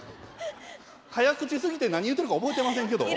早口すぎて何言うとるか覚えてませんけど。